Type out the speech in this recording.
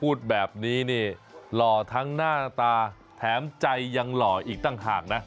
พูดแบบนี้นี่หล่อทั้งหน้าตาแถมใจยังหล่ออีกต่างหากนะ